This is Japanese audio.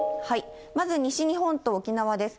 まず西日本と沖縄です。